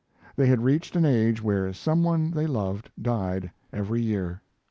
They had reached an age where some one they loved died every year.